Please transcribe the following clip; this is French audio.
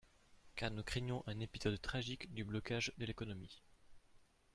Car nous craignons un épisode tragique du blocage de l’économie.